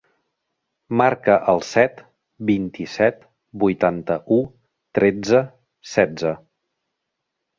Marca el set, vint-i-set, vuitanta-u, tretze, setze.